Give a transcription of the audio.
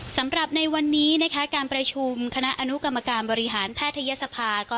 สำหรับในวันนี้นะคะการประชุมคณะอนุกรรมการบริหารแพทยศภาก็